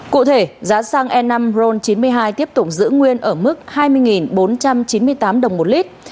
cụ thể giá xăng e năm ron chín mươi hai tiếp tục giữ nguyên ở mức hai mươi bốn trăm chín mươi tám đồng một lít